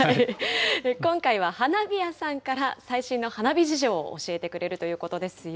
今回は花火屋さんから最新の花火事情を教えてくれるということですよ。